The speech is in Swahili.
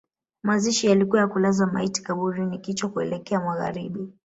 Mazishi yalikuwa ya kulaza maiti kaburini kichwa kuelekea magharibi